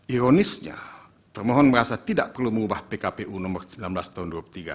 ironisnya termohon merasa tidak perlu mengubah pkpu nomor sembilan belas tahun dua ribu tiga